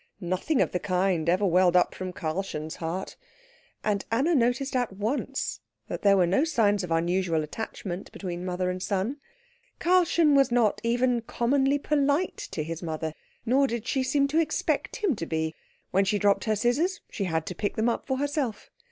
Nothing of the kind ever welled up from Karlchen's heart; and Anna noticed at once that there were no signs of unusual attachment between mother and son. Karlchen was not even commonly polite to his mother, nor did she seem to expect him to be. When she dropped her scissors, she had to pick them up for herself.